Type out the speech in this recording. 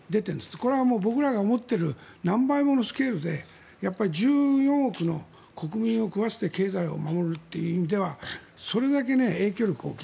これは僕らが思っている何倍ものスケールで１４億の国民を食わせて経済を守るという意味ではそれだけ影響力が大きい。